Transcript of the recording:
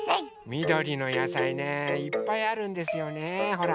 みどりのやさいねいっぱいあるんですよねほら！